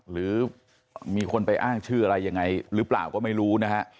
หรือมีคนไปอ้างชื่ออะไรยังไงหรือเปล่าก็ไม่รู้นะฮะ